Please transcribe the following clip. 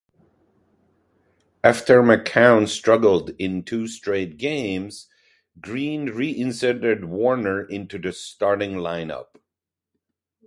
After McCown struggled in two straight games, Green re-inserted Warner into the starting line-up.